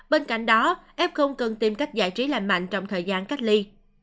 bên cạnh đó f cần tìm cách giải trí lành mạnh trong thời gian cách ly